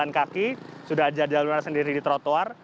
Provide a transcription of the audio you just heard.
dari pejalan kaki sudah ada jalur sendiri di trotoar